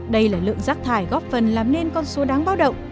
đây là lượng rác thải góp phần làm nên con số đáng báo động